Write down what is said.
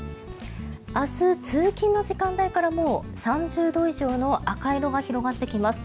明日、通勤の時間帯からもう３０度以上の赤色が広がってきます。